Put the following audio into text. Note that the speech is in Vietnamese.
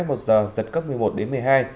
một giờ giật cấp một mươi một đến một mươi hai